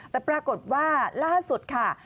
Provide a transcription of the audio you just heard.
แต่ปรากฏว่าล่าสุดค่ะ